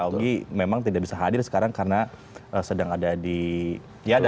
augie memang tidak bisa hadir sekarang karena sedang ada di tiada